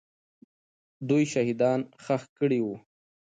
دوی شهیدان ښخ کړي وو.